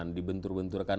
terluar dari belakang